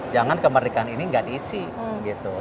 jangan kemerdekaan ini nggak diisi gitu